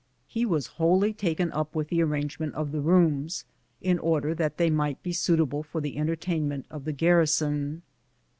He was wholly taken up with the arrangement of the rooms, in order that they might be suitable for the entertainment of the garrison.